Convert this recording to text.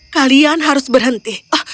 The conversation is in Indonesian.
kalian harus berhenti